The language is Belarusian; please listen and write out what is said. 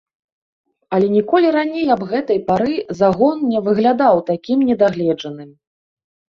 Але ніколі раней аб гэтай пары загон не выглядаў такім недагледжаным.